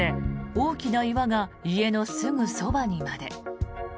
大きな岩が家のすぐそばにまで。